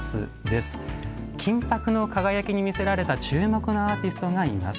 金箔の輝きに魅せられた注目のアーティストがいます。